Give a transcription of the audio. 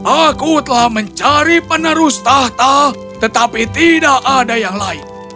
aku telah mencari penerus tahta tetapi tidak ada yang lain